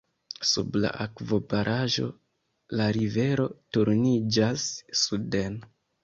Sub la akvobaraĵo, la rivero turniĝas suden.